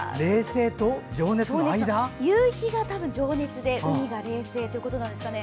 夕日が情熱で海が冷静ということですかね。